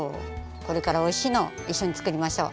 これからおいしいのいっしょに作りましょう！